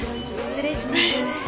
失礼します。